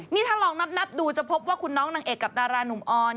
นี่ถ้าลองนับดูจะพบว่าคุณน้องนางเอกกับดารานุ่มออน